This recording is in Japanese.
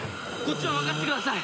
こっちは任せてください！